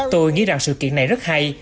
tôi nghĩ rằng sự kiện này rất hay